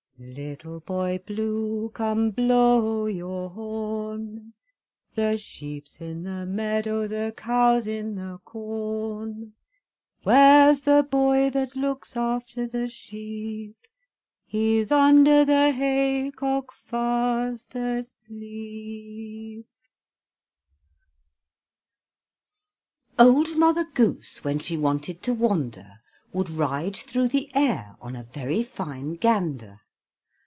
Little Boy Blue, come blow your horn, The sheep's in the meadow, the cow's in the corn, Where's the boy that looks after the sheep? He's under the haycock, fast asleep. Old Mother Goose, when She wanted to wander, Would ride through the air On a very fine gander.